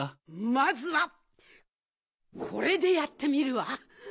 まずはこれでやってみるわ。